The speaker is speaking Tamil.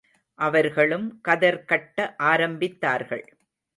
அவர்களும் கதர் கட்ட ஆரம்பித்தார்கள்.